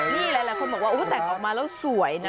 นี่หลายคนบอกว่าแต่งออกมาแล้วสวยนะ